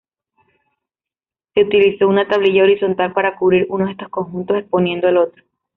Se utilizó una tablilla horizontal para cubrir uno de estos conjuntos, exponiendo el otro.